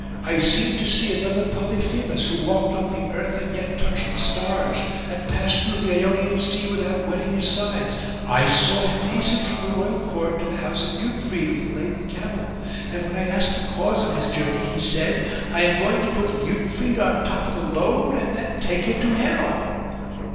I seemed to see another Polyphemus, who walked on the earth and yet touched the stars, and passed through the Ionian Sea without wetting his sides. I saw him hasten from the royal court to the house of Liutfrid with a laden camel. And when I asked the cause of his journey, he said :* I am going to put Liutfrid on the top of the load, and then take him to hell.'